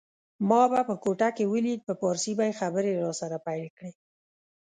ما به په کوټه کي ولید په پارسي به یې خبري راسره پیل کړې